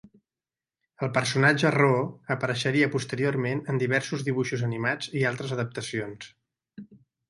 El personatge Roo apareixeria posteriorment en diversos dibuixos animats i altres adaptacions.